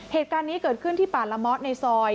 เหตุการณ์นี้เกิดขึ้นที่ป่าละเมาะในซอย